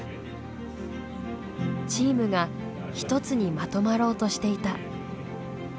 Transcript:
チームが一つにまとまろうとしていた。